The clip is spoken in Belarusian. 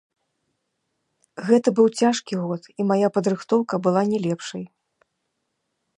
Гэта быў цяжкі год, і мая падрыхтоўка была не лепшай.